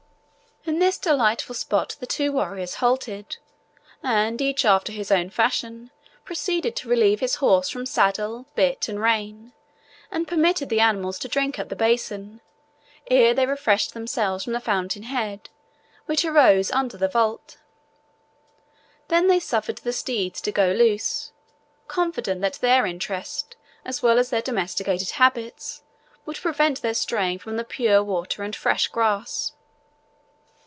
In this delightful spot the two warriors halted, and each, after his own fashion, proceeded to relieve his horse from saddle, bit, and rein, and permitted the animals to drink at the basin, ere they refreshed themselves from the fountain head, which arose under the vault. They then suffered the steeds to go loose, confident that their interest, as well as their domesticated habits, would prevent their straying from the pure water and fresh grass.